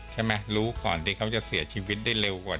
รู้ก่อนที่เขาจะเสียชีวิตได้เร็วกว่า